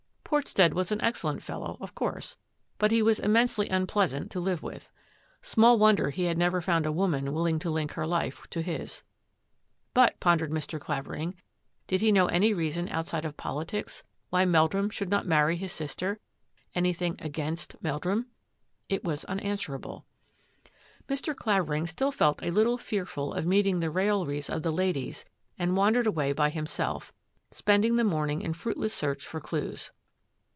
Portstead was an excellent fellow, of course, but he was immensely unpleasant to live with. Small wonder he had never found a woman willing to link her life to his. But, pondered Mr. Clavering, did he know any reason outside of poli tics why Meldrum should not marry his sister — anything against Meldrum? It was unanswer able. Mr. Clavering still felt a little fearful of meet ing the railleries of the ladies and wandered away by himself, spending the morning in fruitless search for clues.